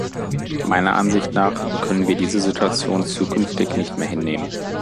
Meiner Ansicht nach können wir diese Situation zukünftig nicht mehr hinnehmen.